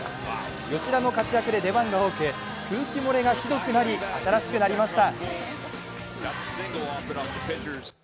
吉田の活躍で出番が多く空気漏れがひどくなり新しくなりました。